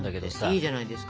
いいじゃないですか。